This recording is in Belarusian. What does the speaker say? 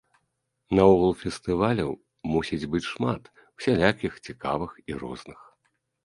Наогул фестываляў мусіць быць шмат, усялякіх, цікавых і розных.